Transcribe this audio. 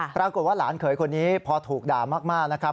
ปรากฏว่าหลานเขยคนนี้พอถูกด่ามากนะครับ